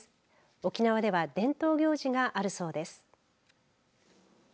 沖縄では伝統行事があるそうです。